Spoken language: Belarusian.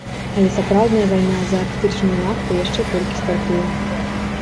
Але сапраўдная вайна за арктычную нафту яшчэ толькі стартуе.